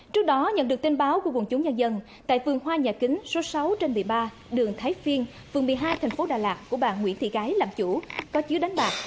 trước đó nhận được tin báo của quần chúng nhân dân tại vườn hoa nhà kính số sáu trên một mươi ba đường thái phiên phường một mươi hai thành phố đà lạt của bà nguyễn thị gái làm chủ có chứa đánh bạc